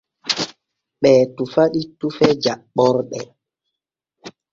Ɓee tufa ɗi tufe jaɓɓorɗe.